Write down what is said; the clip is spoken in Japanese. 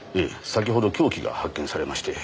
先ほど凶器が発見されまして。